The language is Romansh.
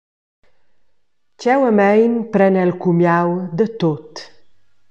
Tgeuamein pren el cumiau da tut.